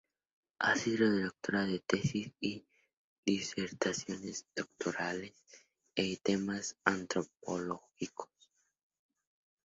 Ha sido directora de tesis y disertaciones doctorales en temas antropológicos.